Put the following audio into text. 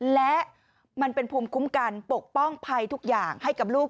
และมันเป็นภูมิคุ้มกันปกป้องภัยทุกอย่างให้กับลูก